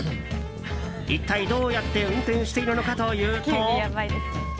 一体どうやって運転しているのかというと。